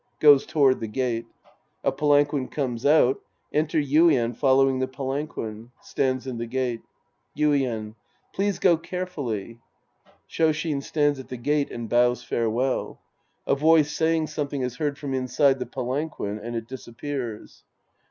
{Goes toward the gate. A palanquin comes out. Enter Yuien following the palanquin. Stands in the gate.) Yuien. Please go carefully. {Shoshin stands at the gate and bows farewell. A voice saying something is heard from inside the palan quin, and it disappears.